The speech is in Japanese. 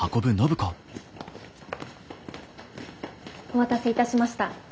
お待たせいたしました。